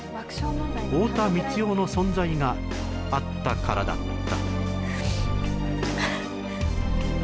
太田光代の存在があったからだった